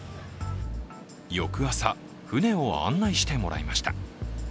翌朝、船を案内してもらいました。